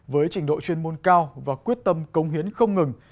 với trình độ chuyên môn cao và quyết tâm công hiến không ngừng